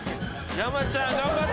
ヤマちゃん頑張れ。